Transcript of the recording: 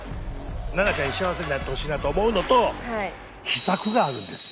奈々ちゃんに幸せになってほしいなと思うのと秘策があるんですよ。